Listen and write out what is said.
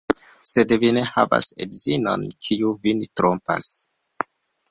Sed vi ne havas edzinon, kiu vin trompas.